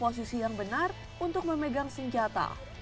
posisi yang benar untuk memegang senjata